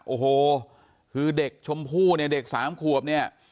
โอ้โหคือเด็กชมพู่เนี่ยเด็กสามขวบเนี่ย